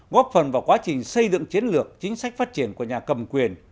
góp phần vào quá trình xây dựng chiến lược chính sách phát triển của nhà cầm quyền